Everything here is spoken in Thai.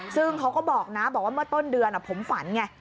ซึ่งเขาก็บอกนะบอกว่าเมื่อต้นเดือนผมฝันไง